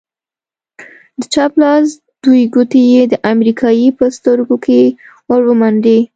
د چپ لاس دوې گوتې يې د امريکايي په سترگو کښې ورومنډې.